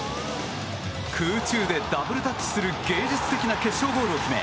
空中でダブルタッチする芸術的な決勝ゴールを決め